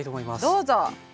どうぞ！